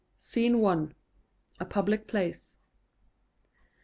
_SCENE I. A public place.